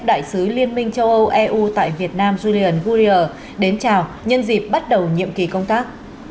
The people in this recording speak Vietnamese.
đại sứ liên minh châu âu eu tại việt nam julian gurrier đến chào nhân dịp bắt đầu nhiệm kỳ công tác